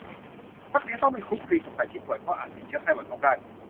นักเรียนต้องไม่คลุกคลีกับไก่ที่ป่วย เพราะอาจติดเชื้อไข้หวัดนกได้